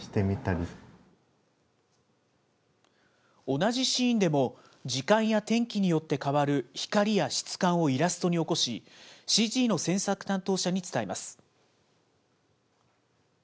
同じシーンでも時間や天気によって変わる光や質感をイラストに起こし、ＣＧの制作担当者に伝えます。